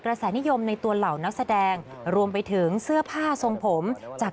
แสนิยมในตัวเหล่านักแสดงรวมไปถึงเสื้อผ้าทรงผมจาก